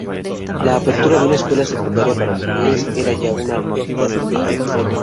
La apertura de una escuela secundaria para mujeres era ya una realidad liberal.